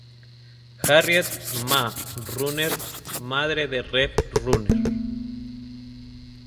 Harriet "Ma" Runner Madre de Rev Runner.